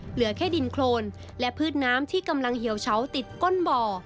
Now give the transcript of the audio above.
เหลือแค่ดินโครนและพืชน้ำที่กำลังเหี่ยวเฉาติดก้นบ่อ